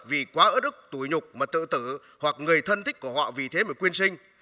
vì quá ớt ức tùy nhục mà tự tử hoặc người thân thích của họ vì thế mới quyên sinh